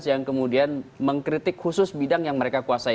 yang kemudian mengkritik khusus bidang yang mereka kuasai